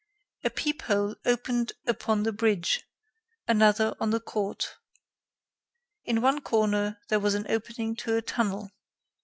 A peep hole opened upon the bridge; another on the court. In one corner, there was an opening to a tunnel.